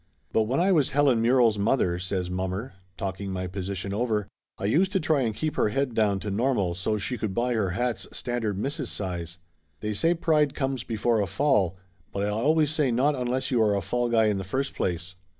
"But when I was Helen Murrell's mother," says mommer, talking my position over, "I used to try and keep her head down to normal so's she could buy her hats standard misses' size. They say pride comes be fore a fall, but I always say not unless you are a fall guy in the first place.